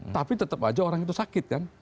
tapi tetap aja orang itu sakit kan